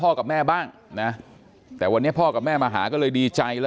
บอกว่าไม่ได้เจอพ่อกับแม่มาพักหนึ่งแล้วตัวเองก็ยุ่งอยู่กับเทื่องราวที่เกิดขึ้นในพื้นที่นะครับ